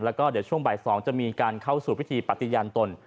แล้วก็เดี๋ยวช่วงบ่าย๒จะมีการเข้าสู่พิธีปฏิญาณตน